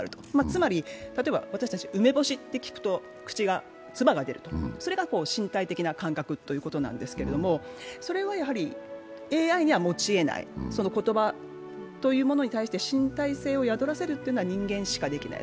つまり、例えば私たち、梅干しって聞くと口が、つばが出る、それが身体的な感覚ということなんですけどそれはＡＩには持ち得ない、言葉というものに対して身体性を宿らせるというのは人間しかできない。